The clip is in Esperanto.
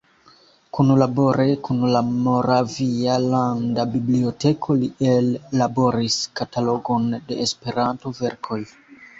Kunlabore kun la Moravia landa biblioteko li ellaboris katalogon de Esperanto-verkoj.